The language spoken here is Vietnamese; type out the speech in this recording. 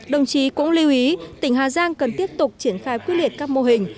đồng chí cũng lưu ý tỉnh hà giang cần tiếp tục triển khai quyết liệt các mô hình